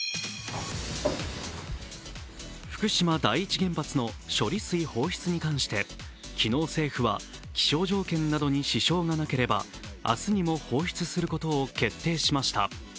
福島第一原発の処理水放出に関して昨日政府は気象条件などに支障がなければ明日にも放出することを決定しました。